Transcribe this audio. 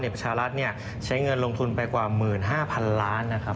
ประชารัฐใช้เงินลงทุนไปกว่า๑๕๐๐๐ล้านนะครับ